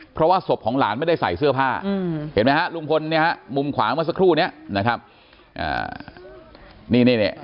เพราะว่าสบของหลานไม่ได้ใส่เสื้อผ้าเห็นไหมครับลุงพลมุมขวางมาสักครู่นี้